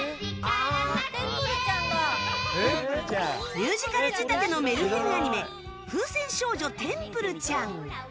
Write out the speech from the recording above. ミュージカル仕立てのメルヘンアニメ「風船少女テンプルちゃん」。